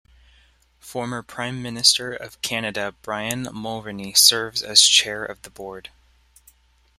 Former Prime Minister of Canada Brian Mulroney serves as chair of the board.